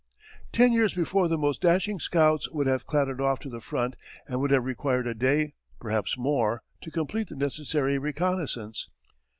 Ten years before the most dashing scouts would have clattered off to the front and would have required a day, perhaps more, to complete the necessary reconnaissance.